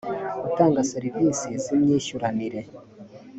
utanga serevisi z imyishyuranire